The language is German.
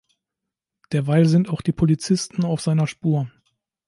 Derweil sind auch die Polizisten auf seiner Spur.